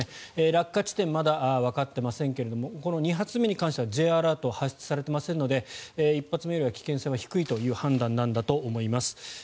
落下地点はまだわかっていませんがこの２発目に関してはＪアラートは発出されていませんので１発目よりは危険性は低いという判断なんだと思います。